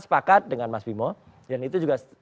sepakat dengan mas bimo dan itu juga